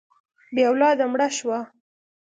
بې اولاده مړه شوه.